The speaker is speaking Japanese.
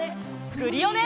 クリオネ！